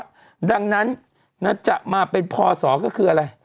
พระมหาภัยวันนั้นจะมาเป็นพรศก็คืออะไร